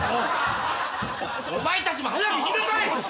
お前たちも早く行きなさい！